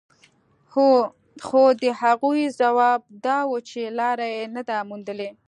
خو د هغوی ځواب دا و چې لاره يې نه ده موندلې.